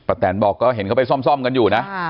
แตนบอกก็เห็นเขาไปซ่อมกันอยู่นะ